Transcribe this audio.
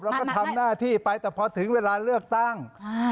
เราก็ทำหน้าที่ไปแต่พอถึงเวลาเลือกตั้ง